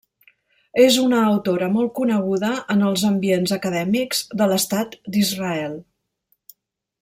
És una autora molt coneguda en els ambients acadèmics de l'estat d'Israel.